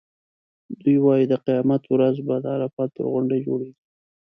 دوی وایي د قیامت ورځ به د عرفات پر غونډۍ جوړېږي.